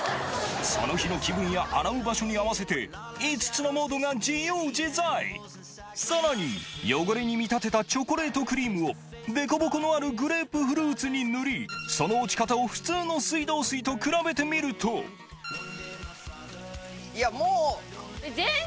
その日の気分や洗う場所に合わせて５つのモードが自由自在さらに汚れに見立てたチョコレートクリームをでこぼこのあるグレープフルーツに塗りその落ち方を普通の水道水と比べてみるともう。